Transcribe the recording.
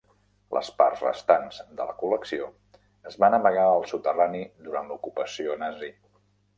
Les parts restants de la col·lecció es van amagar al soterrani durant l'ocupació nazi.